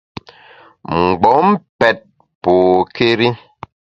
Mgbom pèt pokéri.